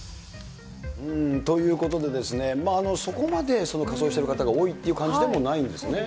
ということでですね、そこまで仮装してる方が多いっていう感じでもないんですね。